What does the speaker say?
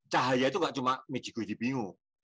cahaya itu gak cuma miji guji bingung